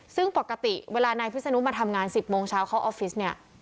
ซึ่งปกติเวลานายพิศนุมาทำงาน๑๐โมงเช้าเข้าออฟฟิศเนี่ย